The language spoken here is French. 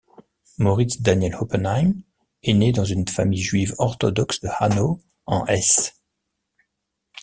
Moritz-Daniel Oppenheim est né dans une famille juive orthodoxe de Hanau en Hesse.